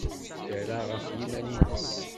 Terra ɣef yiman-nnes.